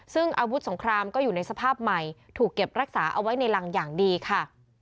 ซึ่งอาวุธสงครามก็อยู่ในสภาพใหม่ถูกเก็บรักษาเอาไว้ในรังอย่างดีค่ะ